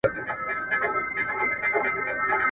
نه خاطر گوري د وروڼو نه خپلوانو.